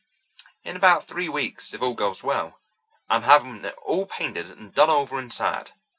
"In about three weeks, if all goes well. I'm having it all painted and done over inside.